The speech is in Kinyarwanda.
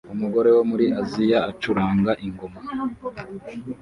umugore wo muri Aziya acuranga ingoma